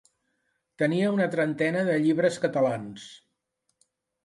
Tenia una trentena de llibres catalans.